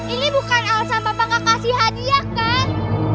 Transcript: ini bukan alasan papa nggak kasih hadiah kan